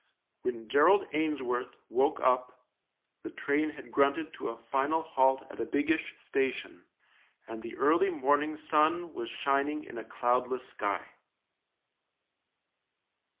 When Gerald Ainsworth woke up the train had grunted to a final halt at a biggish station, and the early morning sun was shining in a cloudless sky.